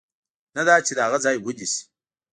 نه دا چې د هغه ځای ونیسي.